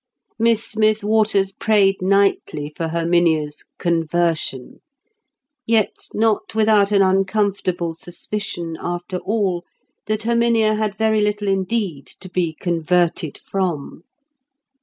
Miss Smith Waters prayed nightly for Herminia's "conversion," yet not without an uncomfortable suspicion, after all, that Herminia had very little indeed to be "converted" from.